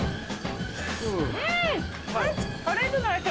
うん！